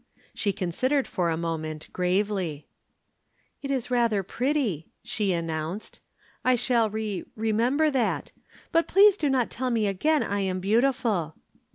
She considered for a moment gravely. "That is rather pretty," she announced. "I shall re remember that. But please do not tell me again I am beautiful."